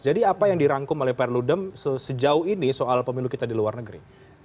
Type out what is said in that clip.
jadi apa yang dirangkum oleh pak ludem sejauh ini soal pemilu kita di luar negeri